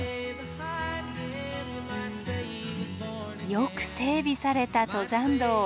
よく整備された登山道。